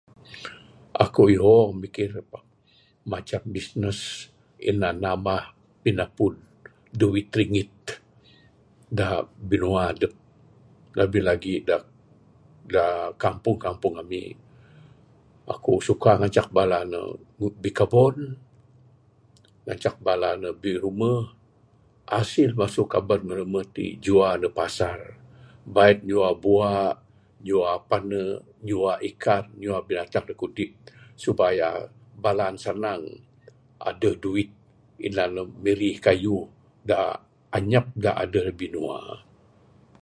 Aku ihong mikir pak, macam bisnes inan nambah pinapud duit ringgit da binua adep labih lagi da- da kampung-kampung ami, aku suka ngancak bala ne bikabon, ngancak bala ne birumeh. Hasil masu kabon birumeh ti jua neg pasar, bait nyua bua, nyua panek, nyua ikan, nyua binatang dak kudip supaya bala ne sanang adeh duit inan ne mirih kayuh da anyap da adeh binua.